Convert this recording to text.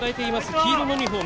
黄色のユニホーム